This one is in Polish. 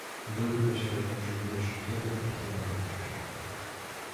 byłby to środek możliwy do szybkiego i pilnego wdrożenia